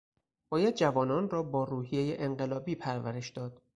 باید جوانان را با روحیهٔ انقلابی پرورش داد.